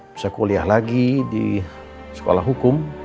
bisa kuliah lagi di sekolah hukum